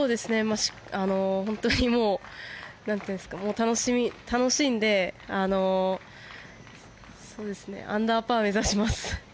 本当に楽しんでアンダーパー目指します。